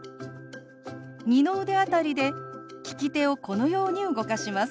二の腕辺りで利き手をこのように動かします。